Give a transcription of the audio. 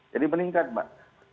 jadi meningkat pak